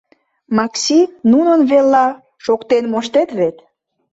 — Макси, нунын велла шоктен моштет вет!